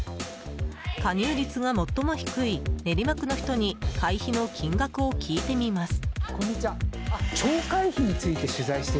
加入率が最も低い練馬区の人に会費の金額を聞いてみます。